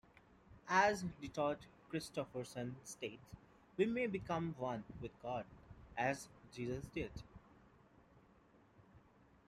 As D. Todd Christofferson states, "we may become one with God" as Jesus did.